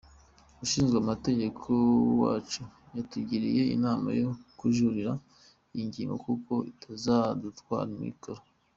Ushinzwe amategeko wacu yatugiriye inama yo kujuririra iyi ngingo kuko itazadutwara amikoro.